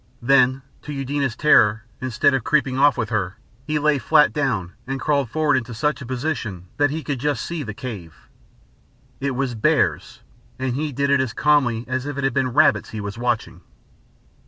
Then to Eudena's terror, instead of creeping off with her, he lay flat down and crawled forward into such a position that he could just see the cave. It was bears and he did it as calmly as if it had been rabbits he was watching!